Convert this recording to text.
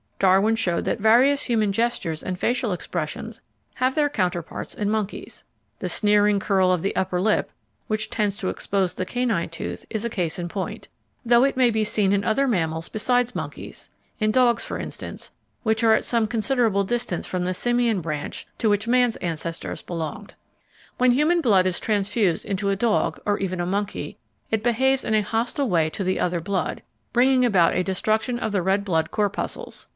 Darwin showed that various human gestures and facial expressions have their counterparts in monkeys. The sneering curl of the upper lip, which tends to expose the canine tooth, is a case in point, though it may be seen in many other mammals besides monkeys in dogs, for instance, which are at some considerable distance from the simian branch to which man's ancestors belonged. When human blood is transfused into a dog or even a monkey, it behaves in a hostile way to the other blood, bringing about a destruction of the red blood corpuscles.